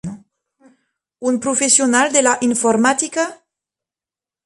Un professional de la informàtica?